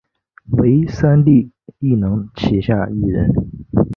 为三立艺能旗下艺人。